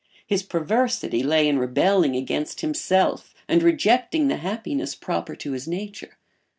His perversity lay in rebelling against himself and rejecting the happiness proper to his nature.